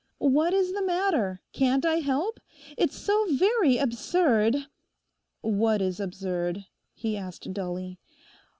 'What is the matter? Can't I help? It's so very absurd—' 'What is absurd?' he asked dully.